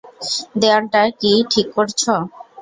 দেয়ালটা কি ঠিক করছো?